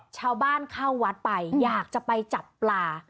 ชาวบ้านเข้าวัดไปอยากจะไปจับปลา